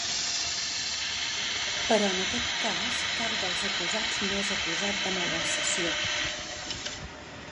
Però en aquest cas, cap dels acusats no és acusat de malversació.